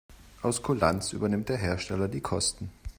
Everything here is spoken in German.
Aus Kulanz übernimmt der Hersteller die Kosten.